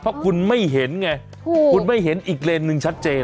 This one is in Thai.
เพราะคุณไม่เห็นไงคุณไม่เห็นอีกเลนหนึ่งชัดเจน